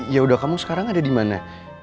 yaudah kamu sekarang ada dimana